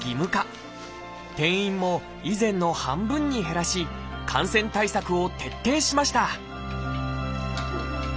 定員も以前の半分に減らし感染対策を徹底しました